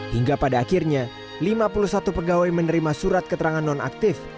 hingga pada akhirnya lima puluh satu pegawai menerima surat keterangan non aktif